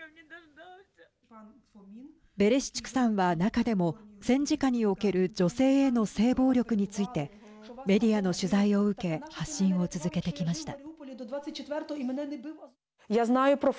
ベレシチュクさんは、中でも戦時下における女性への性暴力についてメディアの取材を受け発信を続けてきました。